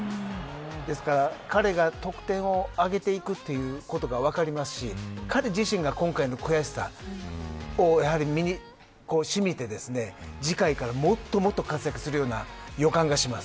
ですから、彼が得点を挙げていくということが分かりますし彼自身が今回の悔しさ身にしみて次回から、もっともっと活躍するような予感がします。